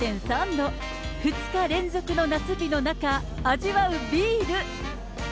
２日連続の夏日の中、味わうビール。